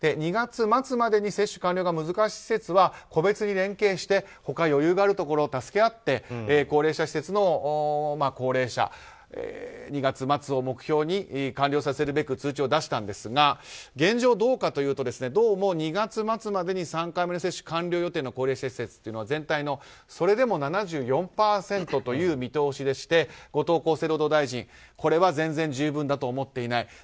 ２月末までに接種完了が難しい施設は個別に連携して他、余裕があるところは助け合って高齢者施設の高齢者２月末を目標に完了させるべく通知を出したんですが現状はどうかというとどうも２月末までに３回目接種完了予定の高齢者施設というのは全体のそれでも７４％という見通しでして後藤厚生労働大臣はこれは全然十分だと思っていない。